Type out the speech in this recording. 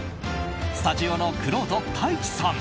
スタジオのくろうとタイチさん